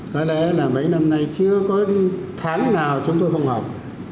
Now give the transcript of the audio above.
có lẽ là mấy năm nay chưa có tháng nào chúng tôi không học